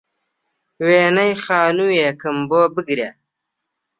وێنەی خانووێکم بۆ بگرە